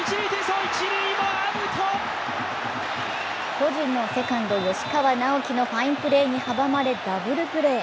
巨人のセカンド・吉川尚輝のファインプレーに阻まれダブルプレー。